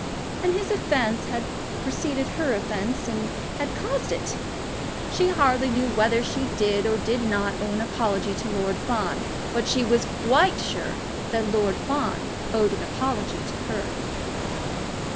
And his offence had preceded her offence, and had caused it! She hardly knew whether she did or did not owe an apology to Lord Fawn, but she was quite sure that Lord Fawn owed an apology to her.